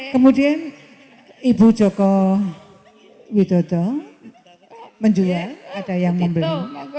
kemudian ibu joko widodo menjual ada yang membeli